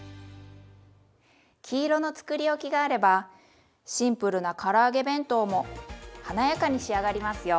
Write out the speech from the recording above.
黄色のつくりおきがあればシンプルなから揚げ弁当も華やかに仕上がりますよ。